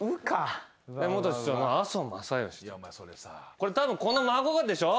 これたぶんこの「孫」でしょ？